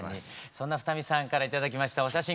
そんな二見さんから頂きましたお写真